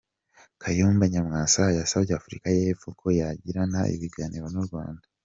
Kayumba Nyamwasa yasabye Afurika y’Epfo ko yagirana ibiganiro n’ u Rwanda.